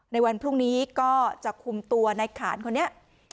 ในวันพรุ่งนี้ก็จะคุมตัวในขานคนนี้